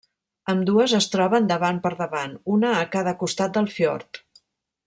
Ambdues es troben davant per davant, una a cada costat del fiord.